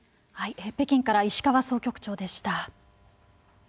北京から石川総局長でした。